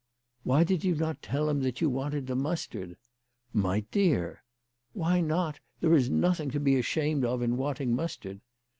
"Why did you not tell him you wanted the mustard?" "My dear!" " Why not ? There is nothing to be ashamed of in wanting mustard."